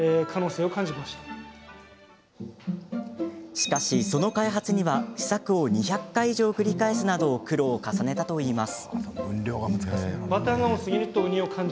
しかし、その開発には試作を２００回以上繰り返すなど苦労を重ねたといいます。